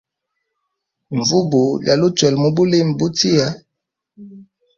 Mvubu yalʼuchwela mubulimi butia.